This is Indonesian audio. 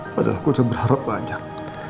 padahal aku sudah berharap banyak